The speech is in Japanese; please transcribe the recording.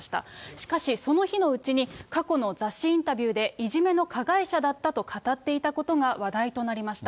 しかし、その日のうちに過去の雑誌インタビューでいじめの加害者だったと語っていたことが話題となりました。